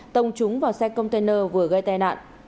tông trúng vào xe container vừa gây tên nạn